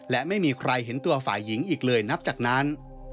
และไม่มีใครเห็นตัวฝ่ายหญิงอีกเลยนับจากนั้น